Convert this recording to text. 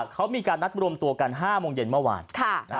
เขามีการนัดรวมตัวกัน๕โมงเย็นเมื่อวาน